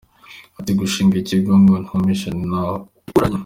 Ati “ Gushinga iki kgo ni nka vision nahoranye.